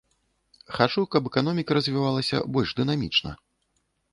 Хачу, каб эканоміка развівалася больш дынамічна.